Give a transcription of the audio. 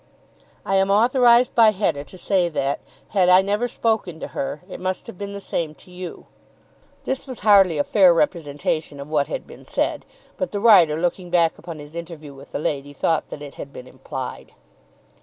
I am authorised by Hetta to say that, had I never spoken to her, it must have been the same to you. This was hardly a fair representation of what had been said, but the writer, looking back upon his interview with the lady, thought that it had been implied.